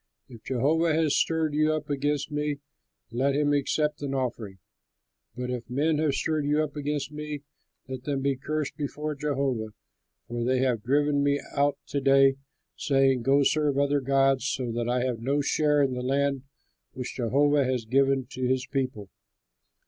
If Jehovah has stirred you up against me, let him accept an offering. But if men have stirred you up against me, let them be cursed before Jehovah, for they have driven me out to day, saying, 'Go serve other gods,' so that I have no share in the land which Jehovah has given to his people.